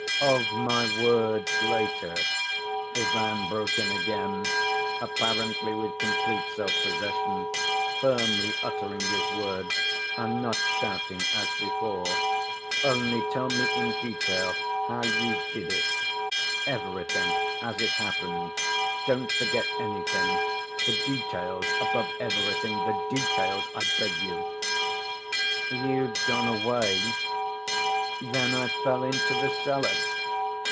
"Of my words later," Ivan broke in again, apparently with complete self‐ possession, firmly uttering his words, and not shouting as before. "Only tell me in detail how you did it. Everything, as it happened. Don't forget anything. The details, above everything, the details, I beg you." "You'd gone away, then I fell into the cellar."